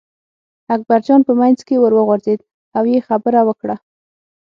اکبرجان په منځ کې ور وغورځېد او یې خبره وکړه.